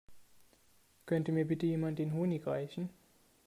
Könnte mir bitte jemand den Honig reichen?